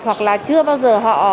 hoặc là chưa bao giờ họ tiếp cận đến